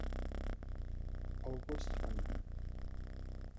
August an.